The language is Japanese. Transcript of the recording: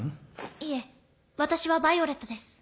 いえ私はヴァイオレットです。